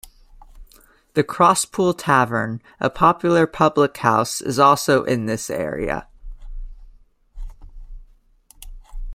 The Crosspool Tavern, a popular public house is also in this area.